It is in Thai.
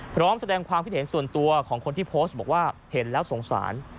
พร้อมแสดงความคิดเห็นส่วนตัวของคนที่โพสต์บอกว่าเห็นแล้วสงสาร